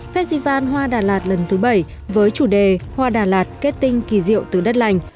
festival hoa đà lạt lần thứ bảy với chủ đề hoa đà lạt kết tinh kỳ diệu từ đất lành